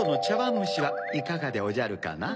むしはいかがでおじゃるかな？